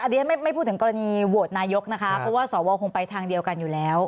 ดิฉันไม่พูดถึงกรณีโหวตนายกนะคะเพราะว่าสวคงไปทางเดียวกันอยู่แล้ว